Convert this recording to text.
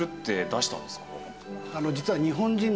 実は。